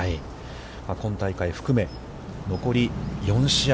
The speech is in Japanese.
今大会含め、残り４試合。